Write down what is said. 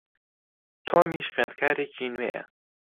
تۆمیش خوێندکارێکی نوێیە.